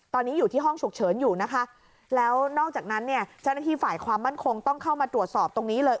ตอนนี้อยู่ที่ห้องฉุกเฉินอยู่นะคะแล้วนอกจากนั้นเนี่ยเจ้าหน้าที่ฝ่ายความมั่นคงต้องเข้ามาตรวจสอบตรงนี้เลย